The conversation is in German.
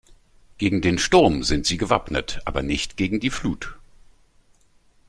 Gegen den Sturm sind sie gewappnet, aber nicht gegen die Flut.